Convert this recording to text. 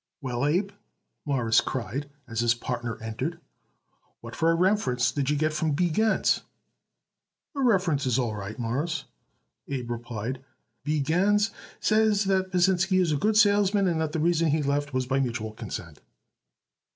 "Well, Abe," Morris cried as his partner entered. "What for a reference did you get it from B. Gans?" "The reference is all right, Mawruss," Abe replied. "B. Gans says that Pasinsky is a good salesman and that the reason he left was by mutual consent."